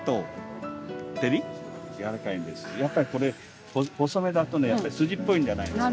やっぱりこれ細めだとねやっぱ筋っぽいんじゃないですか。